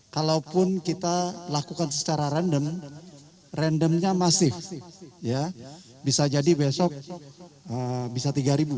kalaupun kita lakukan secara random randomnya masif bisa jadi besok bisa tiga ribu